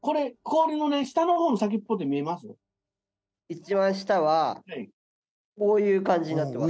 一番下はこういう感じになってます